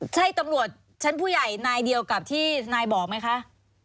ใช่ตำรวจชั้นผู้ใหญ่นายเดียวกับที่นายบอกไหมคะ